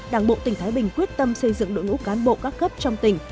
đảng bộ tỉnh thái bình quyết tâm xây dựng đội ngũ cán bộ các cấp trong tỉnh